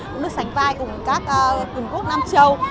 cũng được sánh vai cùng các quân quốc nam châu